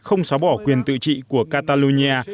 không xóa bỏ quyền tự trị của catalonia